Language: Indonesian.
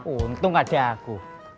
untung gak ada aku